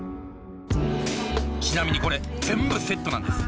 ちなみにこれ全部セットなんです。